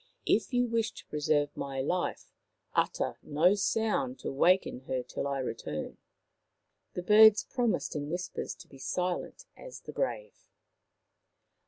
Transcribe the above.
If you wish to preserve my life, utter no sound to waken her till I return/' The birds promised in whispers to be silent as the grave.